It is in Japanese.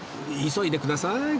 急いでください